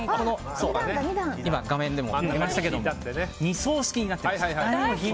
画面でも出ましたが２層式になっています。